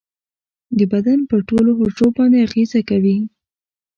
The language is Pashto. د بدن پر ټولو حجرو باندې اغیزه کوي.